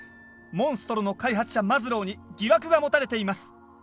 モンストロの開発者マズローに疑惑が持たれています。